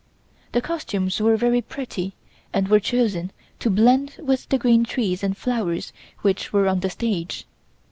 The costumes were very pretty and were chosen to blend with the green trees and flowers which were on the stage.